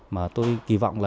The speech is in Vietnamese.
mà tôi kỳ vọng là